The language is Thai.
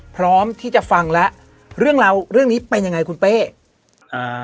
พร้อมที่จะฟังแล้วเรื่องราวเรื่องนี้เป็นยังไงคุณเป้อ่า